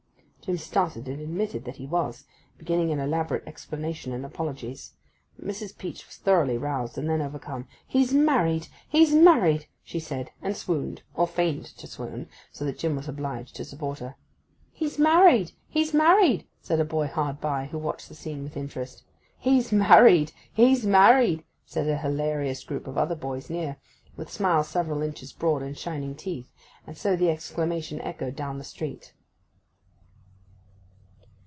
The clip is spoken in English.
Jim started and admitted that it was, beginning an elaborate explanation and apologies. But Mrs. Peach was thoroughly roused, and then overcome. 'He's married, he's married!' she said, and swooned, or feigned to swoon, so that Jim was obliged to support her. 'He's married, he's married!' said a boy hard by who watched the scene with interest. 'He's married, he's married!' said a hilarious group of other boys near, with smiles several inches broad, and shining teeth; and so the exclamation echoed down the street.